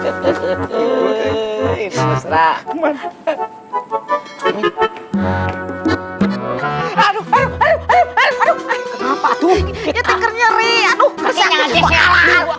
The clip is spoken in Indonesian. kasihan jangan jadi salah